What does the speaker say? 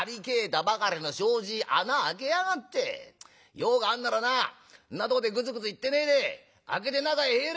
用があんならなあんなとこでグズグズ言ってねえで開けて中へ入れ」。